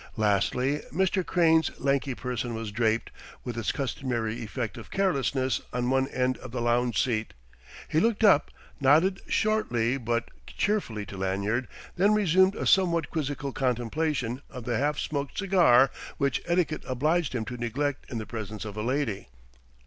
Lastly Mr. Crane's lanky person was draped, with its customary effect of carelessness, on one end of the lounge seat. He looked up, nodded shortly but cheerfully to Lanyard, then resumed a somewhat quizzical contemplation of the half smoked cigar which etiquette obliged him to neglect in the presence of a lady.